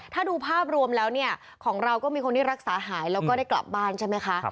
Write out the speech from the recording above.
ถ้าดูภาพรวมแล้วเนี่ยของเราก็มีคนที่รักษาหายแล้วก็ได้กลับบ้านใช่ไหมคะ